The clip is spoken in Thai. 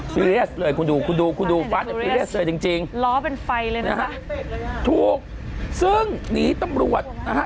ซีเรียสท์เลยคุณดูฟัสดีเติร์สเลยจริงล้อเป็นไฟเลยนะครับถูกซึ่งหนีตำรวจนะคะ